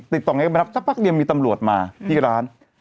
ติดต่อไงก็ไม่รับสักพักยังมีตำรวจมาที่ร้าน